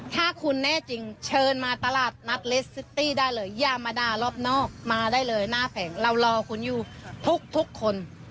ถ้าคุณแน่จริงเชิญมาตลาดนัดเลสซิตี้ได้เลยอย่ามาด่ารอบนอกมาได้เลยหน้าแผงเรารอคุณอยู่ทุกคน